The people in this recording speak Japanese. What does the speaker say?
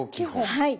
はい。